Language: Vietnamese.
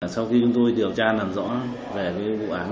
sau khi chúng tôi điều tra làm rõ về vụ án